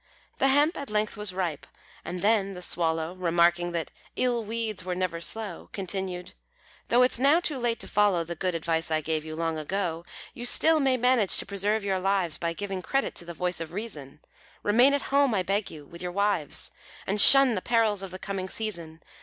The hemp at length was ripe, and then the Swallow, Remarking that "ill weeds were never slow," Continued "Though it's now too late to follow The good advice I gave you long ago, You still may manage to preserve your lives By giving credit to the voice of reason. Remain at home, I beg you, with your wives, And shun the perils of the coming season.